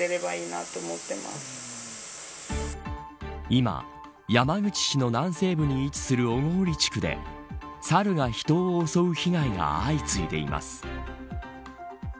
今、山口市の南西部に位置する小郡地区でサルが人を襲う被害が相次いでいます。